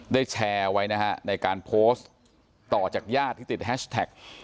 แชร์ไว้นะฮะในการโพสต์ต่อจากญาติที่ติดแฮชแท็ก